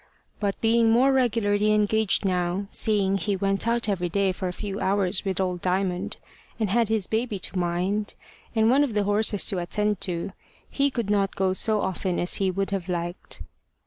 But being more regularly engaged now, seeing he went out every day for a few hours with old Diamond, and had his baby to mind, and one of the horses to attend to, he could not go so often as he would have liked.